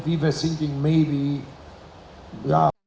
mereka meletakkan semuanya di dalam juga